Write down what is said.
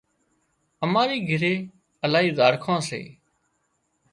اماري گھري الاهي زاڙکان سي